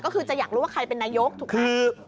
ก็คือจะอยากรู้ว่าใครเป็นนายกถูกไหม